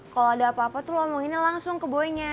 kalau ada apa apa tuh ngomonginnya langsung ke boynya